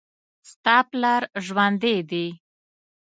ستا پلار ژوندي دي